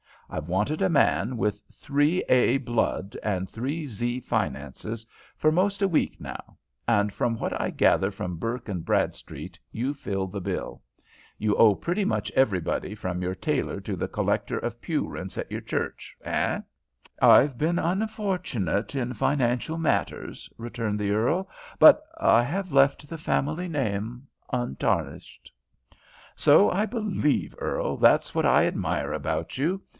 I've wanted a man with three A blood and three Z finances for 'most a week now, and from what I gather from Burke and Bradstreet, you fill the bill. You owe pretty much everybody from your tailor to the collector of pew rents at your church, eh?" "I've been unfortunate in financial matters," returned the earl; "but I have left the family name untarnished." "So I believe, Earl. That's what I admire about you.